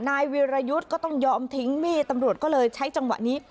นายวิรยุทธ์ก็ต้องยอมทิ้งมีดตำรวจก็เลยใช้จังหวะนี้